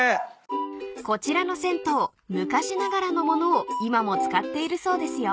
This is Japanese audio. ［こちらの銭湯昔ながらの物を今も使っているそうですよ］